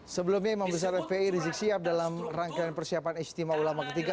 sebelumnya imam besar fpi rizik sihab dalam rangkaian persiapan istimewa ulama ketiga